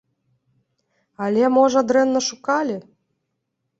Але, можа, дрэнна шукалі.